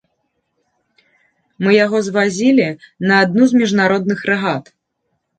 Мы яго звазілі на адну з міжнародных рэгат.